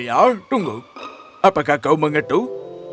harlow tunggu apakah kamu mengetuk